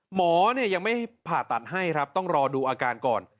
หมอยังไม่ผ่าตัดให้ครับต้องรอดูอาการก่อน